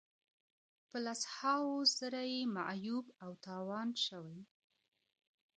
په لس هاوو زره یې معیوب او تاوان شوي.